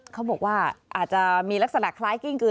เขาบอกว่าอาจจะมีลักษณะคล้ายกิ้งกล